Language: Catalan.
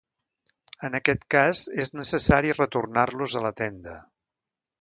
En aquest cas és necessari retornar-los a la tenda.